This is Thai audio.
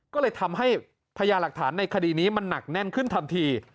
ก็เลยทำให้พญาหลักฐานในคดีนี้มันหนักแน่นขึ้นทันที